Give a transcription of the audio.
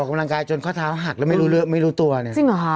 กำลังกายจนข้อเท้าหักแล้วไม่รู้ไม่รู้ตัวเนี่ยจริงเหรอคะ